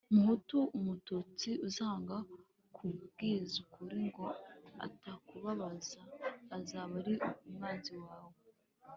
Muhutu, umututsi uzanga kukubwiza ukuri ngo atakubabaza, azaba ari umwanzi wawe.